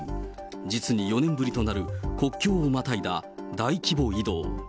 実に４年ぶりとなる、国境をまたいだ大規模移動。